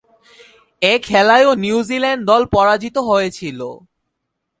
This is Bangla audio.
এ খেলায়ও নিউজিল্যান্ড দল পরাজিত হয়েছিল।